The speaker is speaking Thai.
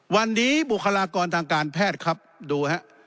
วันนี้บุคลากรทางการแพทย์ครับดูฮะ